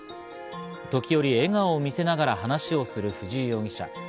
時折、笑顔を見せながら話をする藤井容疑者。